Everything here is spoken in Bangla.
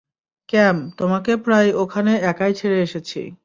ক্যাম, তোমাকে প্রায় ওখানে একাই ছেড়ে এসেছি।